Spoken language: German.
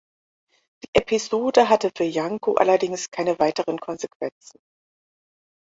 Die Episode hatte für Janko allerdings keine weiteren Konsequenzen.